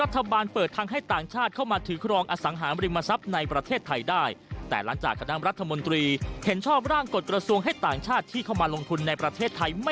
ติดตามจากรายงานครับ